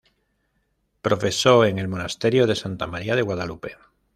Profesó en el monasterio de Santa María de Guadalupe.